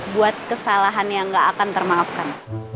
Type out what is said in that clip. buat kesalahan yang gak akan termaafkan